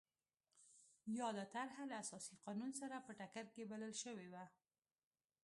یاده طرحه له اساسي قانون سره په ټکر کې بلل شوې وه.